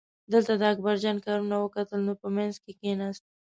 دلته یې د اکبرجان کارونه وکتل نو په منځ کې کیناست.